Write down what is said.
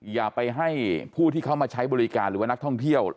อย่าไปให้ผู้ที่เขามาใช้บริการหรือว่านักท่องเที่ยว